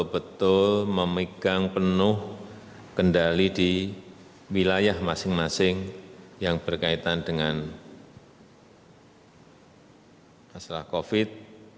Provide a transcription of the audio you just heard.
betul memegang penuh kendali di wilayah masing masing yang berkaitan dengan masalah covid